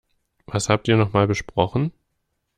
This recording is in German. Was habt ihr noch mal besprochen?